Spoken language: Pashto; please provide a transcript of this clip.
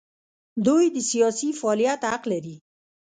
دوی د سیاسي فعالیت حق لري.